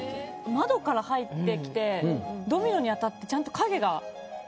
窓から入ってきてドミノに当たってちゃんと。